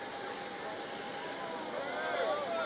kivi terkena dua cetewa yangipsan